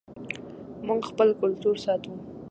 موږ خپل کلتور ساتو